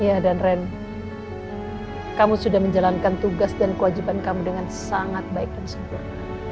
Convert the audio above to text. iya dan ren kamu sudah menjalankan tugas dan kewajiban kamu dengan sangat baik dan sempurna